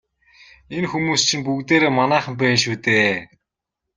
Энэ хүмүүс чинь бүгдээрээ манайхан байна шүү дээ.